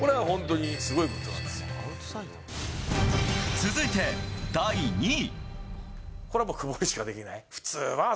続いて、第２位。